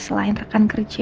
selain rekan kerja